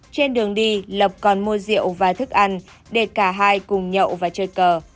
trên đường đi lập còn mua rượu và thức ăn để cả hai cùng nhậu và chơi cờ